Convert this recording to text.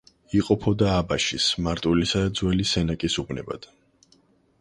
იყოფოდა აბაშის, მარტვილისა და ძველი სენაკის უბნებად.